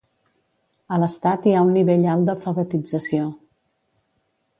A l'estat hi ha un nivell alt d'alfabetització.